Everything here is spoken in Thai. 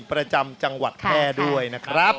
ประจำจังหวัดแพร่ด้วยนะครับ